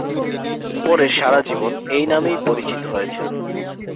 পরে সারা জীবন এই নামেই পরিচিত হয়েছেন।